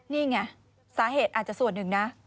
นี่ไงสาเหตุอาจจะส่วนหนึ่งนะ